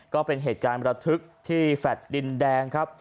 ก็เป็นเหตุการณ์ประทึกที่แฟลต์ดินแดงครับ